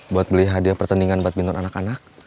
buat beli hadiah pertandingan bat bintun anak anak